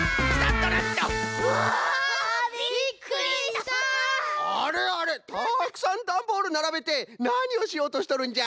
たくさんダンボールならべてなにをしようとしとるんじゃ？